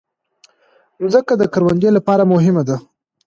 مځکه د کروندې لپاره مهمه ده.